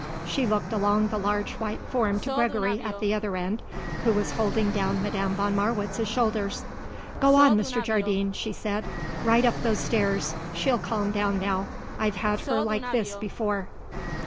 She looked along the large white form to Gregory at the other end, who was holding down Madame von Marwitz's shoulders. "Go on, Mr. Jardine," she said. "Right up those stairs. She'll calm down now. I've had her like this before."